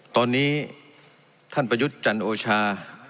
ตอนนี้ท่านประยุทธ์จันโอชา